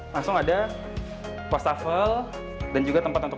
langsung ada wastafel dan juga tempat untuk